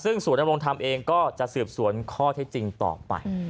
ซึ่งศูนยำรงธรรมเองก็จะสืบสวนข้อเท็จจริงต่อไป